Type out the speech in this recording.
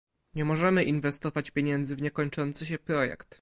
Nie możemy inwestować pieniędzy w niekończący się projekt